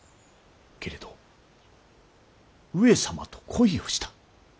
けれど「上様と恋をした」。